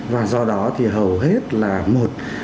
và do đó thì hầu hết là một